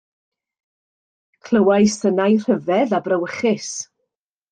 Clywai synau rhyfedd a brawychus.